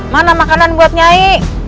mana makanan buat nyai